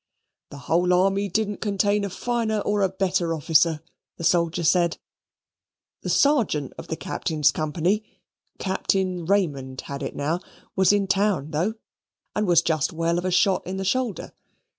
"The whole army didn't contain a finer or a better officer," the soldier said. "The Sergeant of the Captain's company (Captain Raymond had it now), was in town, though, and was just well of a shot in the shoulder.